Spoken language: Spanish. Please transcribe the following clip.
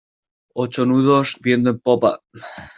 ocho nudos, viento de popa...